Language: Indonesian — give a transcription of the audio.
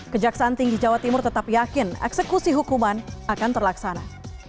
kejaksaan tinggi jawa timur tetap yakin eksekusi hukuman akan terlaksana